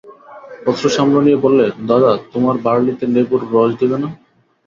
অশ্রু সামলে নিয়ে বললে, দাদা, তোমার বার্লিতে নেবুর রস দেবে না?